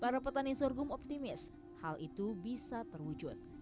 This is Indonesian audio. para petani sorghum optimis hal itu bisa terwujud